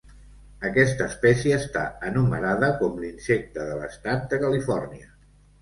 Aquesta espècie està enumerada com l'insecte de l'estat de Califòrnia.